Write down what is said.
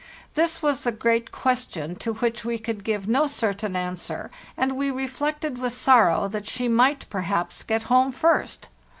This was the great question to which we could give no certain answer, and we reflected with sorrow that she might perhaps get home first.